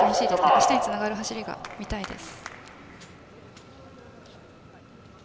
あしたにつながる走りが見たいです。